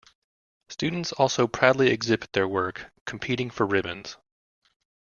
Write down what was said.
Students also proudly exhibited their work competing for ribbons.